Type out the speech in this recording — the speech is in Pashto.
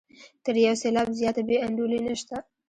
تر یو سېلاب زیاته بې انډولي نشته.